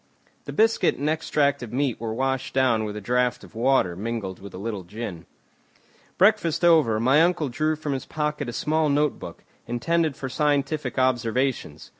The biscuit and extract of meat were washed down with a draught of water mingled with a little gin. Breakfast over, my uncle drew from his pocket a small notebook, intended for scientific observations.